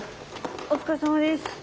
お疲れさまです。